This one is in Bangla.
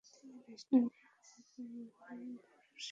তিনি National League of Women Voters এর সক্রিয় সদস্য ছিলেন।